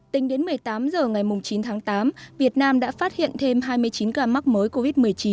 tính đến một mươi tám h ngày chín tháng tám việt nam đã phát hiện thêm hai mươi chín ca mắc mới covid một mươi chín